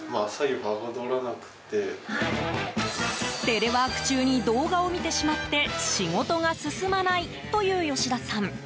テレワーク中に動画を見てしまって仕事が進まないという吉田さん。